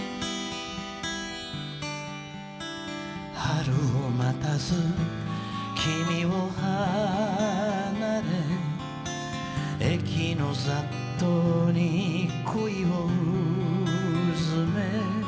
「春を待たず君を離れ駅の雑踏に恋を埋め」